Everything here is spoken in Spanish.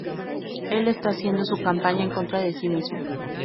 Él está haciendo su campaña en contra de sí mismo.